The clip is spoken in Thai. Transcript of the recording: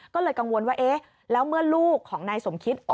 ก็เลยกังวลว่าเอ๊ะแล้วเมื่อลูกของนายสมคิด